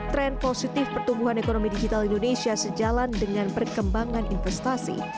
tren positif pertumbuhan ekonomi digital indonesia sejalan dengan perkembangan investasi